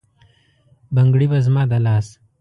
بنګړي به زما د لاس،